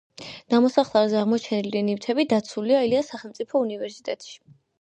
ნამოსახლარზე აღმოჩენილი ნივთები დაცულია ილიას სახელმწიფო უნივერსიტეტში.